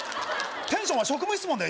テンションは職務質問だよ